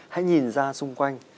hãy nhìn ra xung quanh